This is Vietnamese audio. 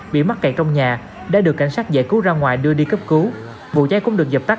bị mắc kẹt trong nhà đã được cảnh sát giải cứu ra ngoài đưa đi cấp cứu vụ cháy cũng được dập tắt